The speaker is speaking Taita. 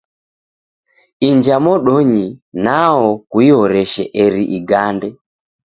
Inja modonyi nwao kuihoreshe eri igande.